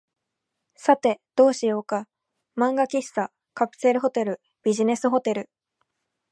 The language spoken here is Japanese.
さて、どうしようか。漫画喫茶、カプセルホテル、ビジネスホテル、